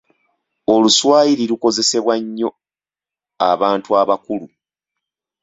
Oluswayiri lukozesebwa nnyo abantu abakulu.